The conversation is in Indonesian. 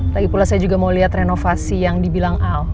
lagipula saya juga mau liat renovasi yang dibilang al